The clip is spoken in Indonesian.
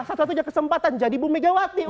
satu satunya kesempatan jadi bumn mejawati udah